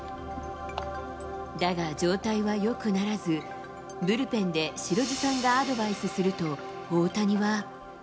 だが、状態はよくならず、ブルペンで白水さんがアドバイスすると、大谷は。